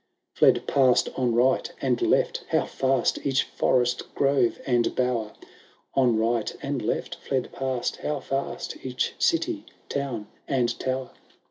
XLVIII Fled past on right and left how fast Each forest, grove, and bower ; On right and left fled past how fast Each city, town, and tower.